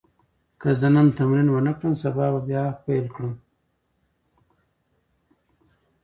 که زه نن تمرین ونه کړم، سبا به بیا پیل کړم.